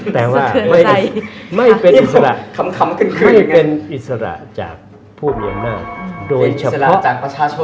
แต่ว่าไม่เป็นอิสระจากผู้มีอำนาจ